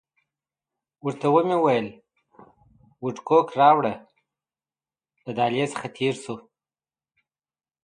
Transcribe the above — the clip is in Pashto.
ورته ومې ویل وډکوک راوړه، له دهلیز څخه تېر شوو.